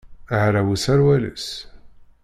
Hraw userwal-is.